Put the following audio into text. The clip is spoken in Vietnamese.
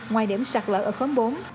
ngoài điểm sạt lỡ ở khống bốn